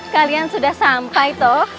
kalian sudah sampai toh